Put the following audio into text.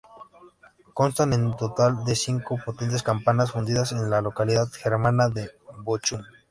Constan en total de cinco potentes campanas fundidas en la localidad germana de Bochum.